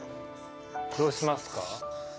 どうしますか？